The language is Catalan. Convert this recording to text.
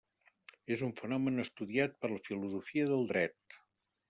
És un fenomen estudiat per la filosofia del dret.